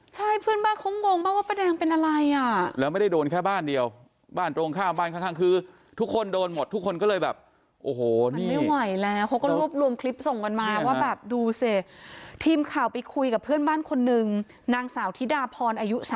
ใช่เพื่อนบ้านเขางงมากว่าป้าแดงเป็นอะไรอ่ะแล้วไม่ได้โดนแค่บ้านเดียวบ้านตรงข้ามบ้านข้างคือทุกคนโดนหมดทุกคนก็เลยแบบโอ้โหมันไม่ไหวแล้วเขาก็รวบรวมคลิปส่งกันมาว่าแบบดูสิทีมข่าวไปคุยกับเพื่อนบ้านคนนึงนางสาวธิดาพรอายุ๓๐